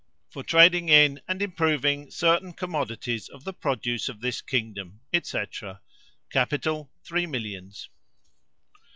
For trading in and improving certain commodities of the produce of this kingdom, &c. Capital three millions.